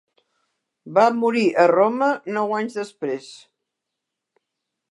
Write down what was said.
Va morir a Roma nou anys després.